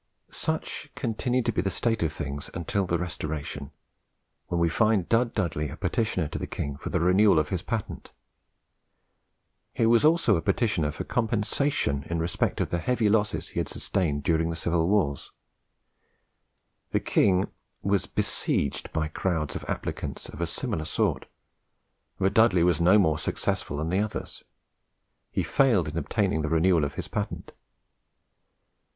Such continued to be the state of things until the Restoration, when we find Dud Dudley a petitioner to the king for the renewal of his patent. He was also a petitioner for compensation in respect of the heavy losses he had sustained during the civil wars. The king was besieged by crowds of applicants of a similar sort, but Dudley was no more successful than the others. He failed in obtaining the renewal of his patent.